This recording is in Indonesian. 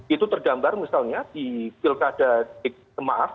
itu tergambar misalnya di pilkada semaaf